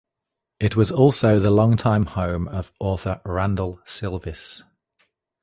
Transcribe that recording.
It was also the longtime home of author Randall Silvis.